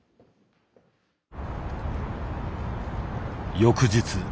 翌日。